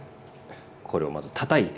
これをまずたたいて。